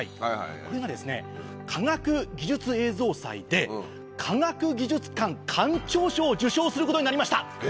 これがですね科学技術映像祭で科学技術館館長賞を受賞することになりました！